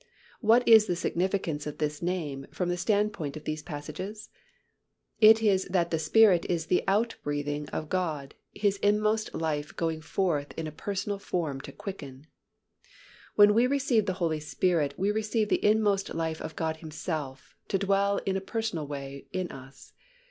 What is the significance of this name from the standpoint of these passages? It is that the Spirit is the outbreathing of God, His inmost life going forth in a personal form to quicken. When we receive the Holy Spirit, we receive the inmost life of God Himself to dwell in a personal way in us.